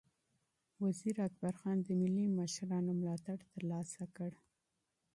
وزیر اکبرخان د ملي مشرانو ملاتړ ترلاسه کړ.